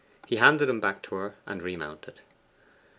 He handed them back to her, and remounted.